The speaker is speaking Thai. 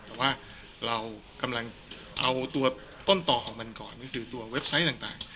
แต่ว่าเรากำลังเอาตัวต้นต่อของมันก่อนก็คือตัวเว็บไซต์ต่าง